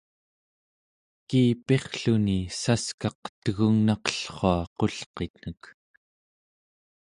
kiipirrluni saskaq tegungnaqellrua qulqitnek